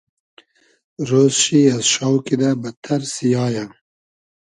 رۉز شی از شاو کیدۂ بئدتئر سیایۂ